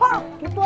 hah gitu apa